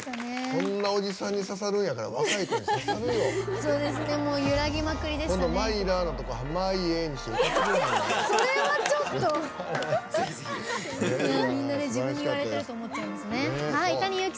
こんなおじさんに刺さるんやから若い子に刺さるよ。